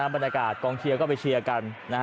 บรรยากาศกองเชียร์ก็ไปเชียร์กัน